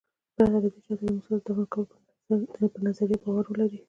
پرته له دې چې د حضرت موسی د دفن کولو په نظریه باور ولرئ.